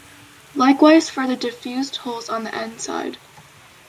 Likewise for the diffused holes on the N-side.